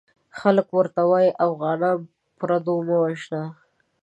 خلک ورته وايي افغانان په پردو مه وژنه!